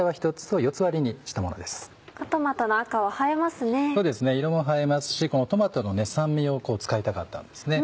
そうですね色も映えますしトマトの酸味を使いたかったんですね。